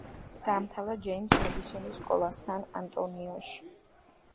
დაამთავრა ჯეიმზ მედისონის სკოლა სან-ანტონიოში.